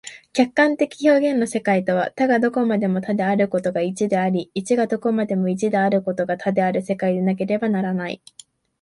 客観的表現の世界とは、多がどこまでも多であることが一であり、一がどこまでも一であることが多である世界でなければならない。